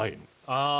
ああ。